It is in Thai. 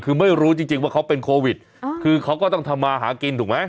คือไม่รู้จริงจริงว่าเขาเป็นโควิดคือเขาก็ต้องทำมาหากินถูกไหม